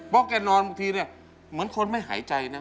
เพราะแกนอนบางทีเนี่ยเหมือนคนไม่หายใจนะ